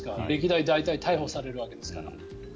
歴代、大体逮捕されるわけですから。